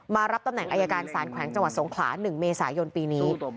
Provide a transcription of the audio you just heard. รับตำแหน่งอายการสารแขวงจังหวัดสงขลา๑เมษายนปีนี้